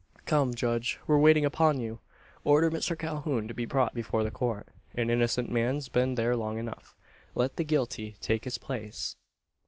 Come, judge; we're waiting upon you! Order Mr Calhoun to be brought before the Court. An innocent man's been there long enough. Let the guilty take his place!"